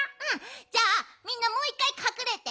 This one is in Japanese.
じゃあみんなもういっかいかくれて。